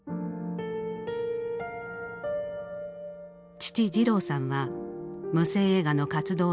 父次郎さんは無声映画の活動弁士。